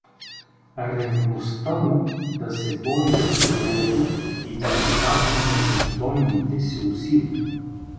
Ревността му да се бори със злото и да наказва недостойните се усили.